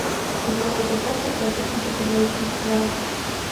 Фігуруе ў дзясятках паэтычных і празаічных твораў.